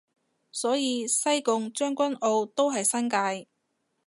所以西貢將軍澳都係新界